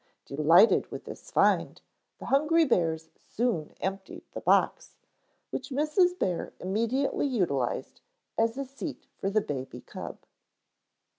Delighted with this find, the hungry bears soon emptied the box, which Mrs. Bear immediately utilized as a seat for the baby cub.